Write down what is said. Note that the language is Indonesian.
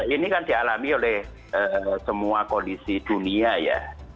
ini kan dialami oleh semua kondisi dunia ya